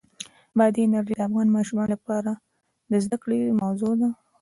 بادي انرژي د افغان ماشومانو د زده کړې موضوع ده.